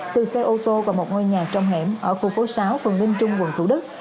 từ xe ô tô vào một ngôi nhà trong hẻm ở khu phố sáu phường linh trung quận thủ đức